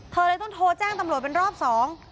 เธอเลยต้องโทรแจ้งตำรวจเป็นรอบสอง